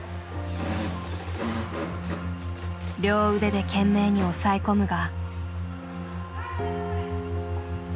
両腕で懸命におさえ込むが。